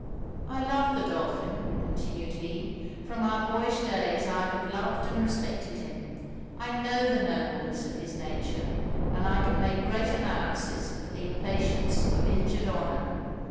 I love Godolphin,' continued he 'from our boyish days I have loved and respected him. I know the nobleness of his nature, and I can make great allowances for the impatience of injured honour.